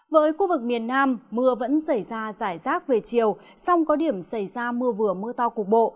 với khu vực miền nam mưa vẫn xảy ra giải rác về chiều song có điểm xảy ra mưa vừa mưa to cục bộ